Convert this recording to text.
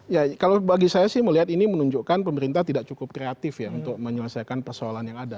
ya kalau bagi saya sih melihat ini menunjukkan pemerintah tidak cukup kreatif ya untuk menyelesaikan persoalan yang ada